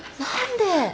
何で？